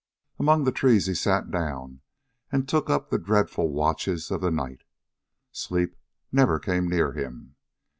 Among the trees he sat down and took up the dreadful watches of the night. Sleep never came near him.